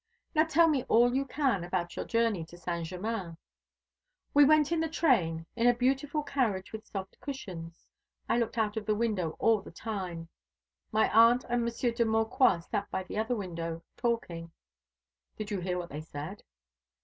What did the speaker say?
"Now tell me all you can about your journey to Saint Germain." "We went in the train, in a beautiful carriage with soft cushions. I looked out of the window all the time. My aunt and Monsieur de Maucroix sat by the other window talking." "Did you hear what they said?"